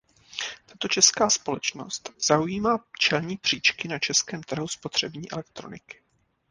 Tato česká společnost zaujímá čelní příčky na českém trhu spotřební elektroniky.